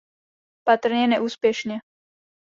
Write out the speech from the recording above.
Patrně neúspěšně.